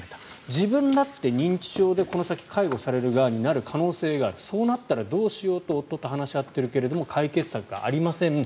自分だって認知症でこの先介護される側になる可能性があるそうなったらどうしようと夫と話し合っているけど解決策がありません。